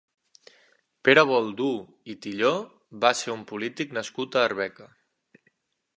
Pere Boldú i Tilló va ser un politic nascut a Arbeca.